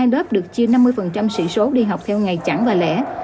ba mươi hai lớp được chia năm mươi sỉ số đi học theo ngày chẳng và lẻ